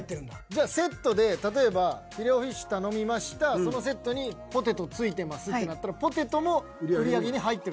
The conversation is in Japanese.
じゃあセットで例えばフィレオフィッシュ頼みましたそのセットにポテト付いてますってなったらポテトも売り上げに入ってる。